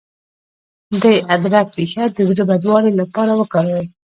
د ادرک ریښه د زړه بدوالي لپاره وکاروئ